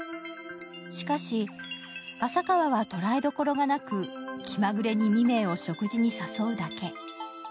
しかし朝川は捉えどころがなく気まぐれに未明を食事に誘うだけ。